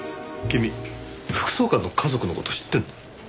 君副総監の家族の事知ってるの？